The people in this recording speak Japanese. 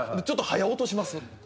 ちょっと早落とします」